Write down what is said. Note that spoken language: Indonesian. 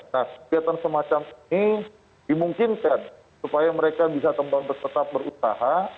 nah kegiatan semacam ini dimungkinkan supaya mereka bisa tetap berusaha